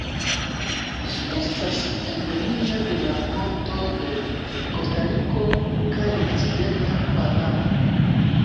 Ĝi estas endemia de la montoj de Kostariko kaj okcidenta Panamo.